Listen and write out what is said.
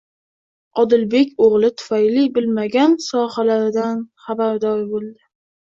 Odilbek o'g'li tufayli bilmagan sohalaridan xabardor bo'ldi